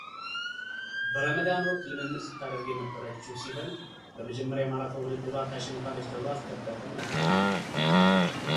በረመዳን ወቅት ልምምድ ስታደርግ የነበረችው ሲፈን በመጀመሪያ የማራቶን ውድድሯ ታሸንፋለች ተብሎ አልተጠብቅም ነበር።